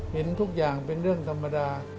เห็นทุกอย่างเป็นเรื่องธรรมดา